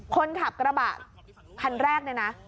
คนขับกระบะคันแรกเนี่ยนะ